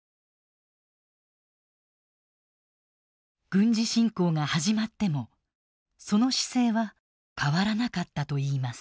軍事侵攻が始まってもその姿勢は変わらなかったといいます。